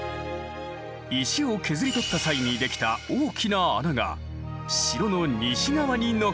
石を削り取った際に出来た大きな穴が城の西側に残っている。